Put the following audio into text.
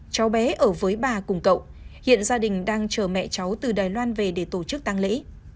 cháu bé ở với bà cùng cậu hiện gia đình đang chờ mẹ cháu từ đài loan về để tổ chức tăng lễ